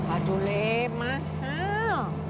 aduh lek mahal